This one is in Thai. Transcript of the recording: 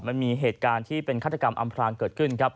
มันมีเหตุการณ์ที่เป็นฆาตกรรมอำพลางเกิดขึ้นครับ